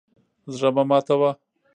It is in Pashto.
زړه مه ماتوه.